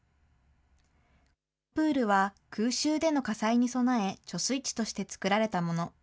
プールは、空襲での火災に備え、貯水池として作られたもの。